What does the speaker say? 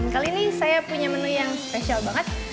kali ini saya punya menu yang spesial banget